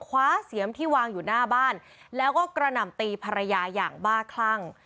เสียมที่วางอยู่หน้าบ้านแล้วก็กระหน่ำตีภรรยาอย่างบ้าคลั่ง